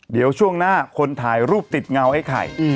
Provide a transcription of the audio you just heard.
เดี๋ยวช่วงหน้าคนถ่ายรูปติดเงาไอ้ไข่